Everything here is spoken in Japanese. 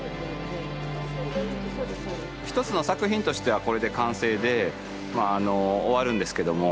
一つの作品としてはこれで完成でまああの終わるんですけども。